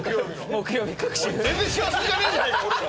木曜日隔週。